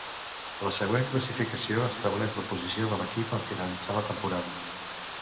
La següent classificació estableix la posició de l'equip en finalitzar la temporada.